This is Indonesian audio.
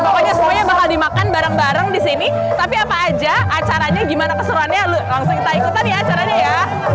pokoknya semuanya bakal dimakan bareng bareng di sini tapi apa aja acaranya gimana keseruannya langsung kita ikutan ya acaranya ya